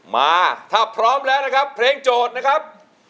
มาถ้าพร้อมแล้วนะครับเพลงโจทย์นะครับ